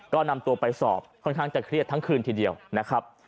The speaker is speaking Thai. ก็นำตัวไปสอบค่อนข้างจะเครียดทั้งคืนทีเดียวนะครับ